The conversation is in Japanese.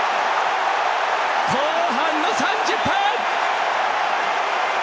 後半の３０分！